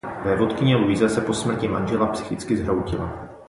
Vévodkyně Luisa se po smrti manžela psychicky zhroutila.